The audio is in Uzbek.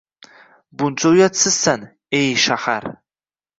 Buncha uyatsizsan, ey, Shahar?